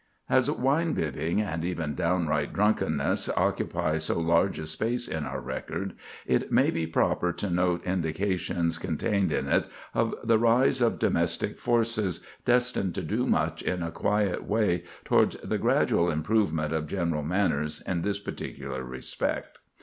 As wine bibbing, and even downright drunkenness, occupy so large a space in our record, it may be proper to note indications contained in it of the rise of domestic forces destined to do much in a quiet way towards the gradual improvement of general manners in this particular respect.